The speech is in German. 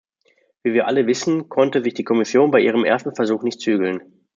Wie wir alle wissen, konnte sich die Kommission bei ihrem ersten Versuch nicht zügeln.